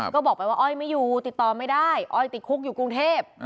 ก็บอกไปว่าอ้อยไม่อยู่ติดต่อไม่ได้อ้อยติดคุกอยู่กรุงเทพ